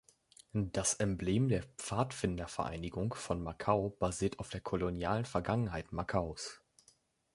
Das Emblem der Pfadfindervereinigung von Macau basiert auf der kolonialen Vergangenheit Macaus.